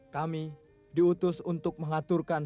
kami diutus untuk mengaturkan